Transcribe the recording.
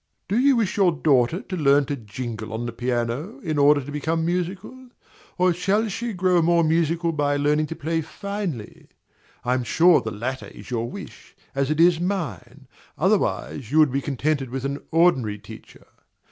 Do you wish your daughter to learn to jingle on the piano, in order to become musical? or shall she grow more musical by learning to play finely? I am sure the latter is your wish, as it is mine: otherwise, you would be contented with an ordinary teacher.